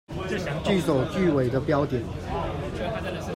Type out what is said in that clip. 句首句尾的標點